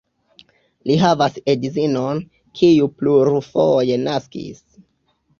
Li havas edzinon, kiu plurfoje naskis.